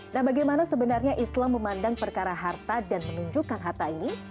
nah bagaimana sebenarnya islam memandang perkara harta dan menunjukkan harta ini